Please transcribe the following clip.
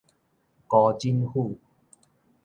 辜振甫